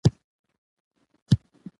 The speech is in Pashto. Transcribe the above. چې لوستونکى دې ته مجبور وي